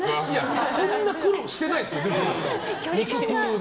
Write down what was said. そんな苦労してないですよね？